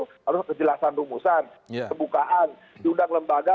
harus kejelasan rumusan kebukaan diundang lembaga